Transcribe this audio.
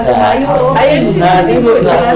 ayo disini ibu jelasin ya